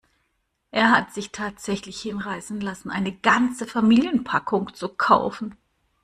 Er hat sich tatsächlich hinreißen lassen, eine ganze Familienpackung zu kaufen.